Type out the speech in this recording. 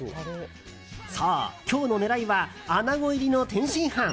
そう、今日の狙いはアナゴ入りの天津飯。